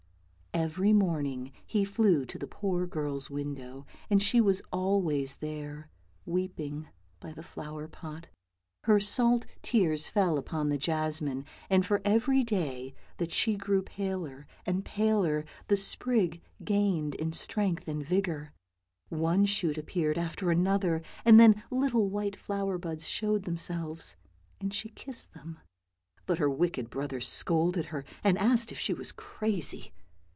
Every morning he flew to the poor girl's window, and she was always there, weeping by the flower pot. Her salt tears fell upon the jasmine, and for every day that she grew paler and paler the sprig gained in strength and vigour. One shoot appeared after another, and then little white flower buds showed themselves, and she kissed them ; but her wicked brother scolded her, and asked if she was crazy.